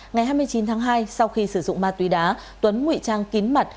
ngày hai mươi chín tháng hai sau khi sử dụng ma túy đá tuấn ngụy trang kín mặt